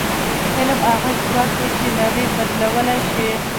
علم هغه ځواک دی چې نړۍ بدلولی شي.